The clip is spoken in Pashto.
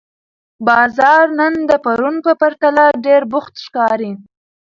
بازار نن د پرون په پرتله ډېر بوخت ښکاري